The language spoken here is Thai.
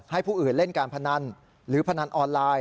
ให้ผู้อื่นเล่นการพนันหรือพนันออนไลน์